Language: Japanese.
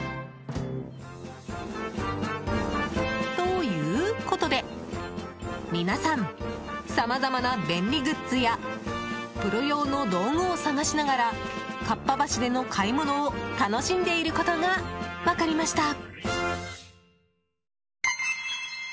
ということで、皆さんさまざまな便利グッズやプロ用の道具を探しながらかっぱ橋での買い物を楽しんでいることが分かりました。